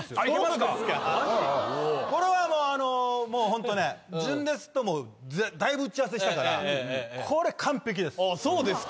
これはホントね純烈ともだいぶ打ち合わせしたからこれ完璧です。